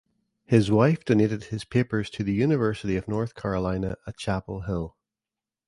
His wife donated his papers to the University of North Carolina at Chapel Hill.